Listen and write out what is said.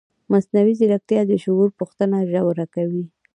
مصنوعي ځیرکتیا د شعور پوښتنه ژوره کوي.